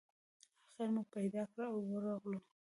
آخر مو پیدا کړ او ورغلو.